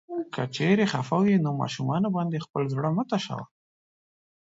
که چيرې خفه وې نو ماشومانو باندې خپل زړه مه تشوه.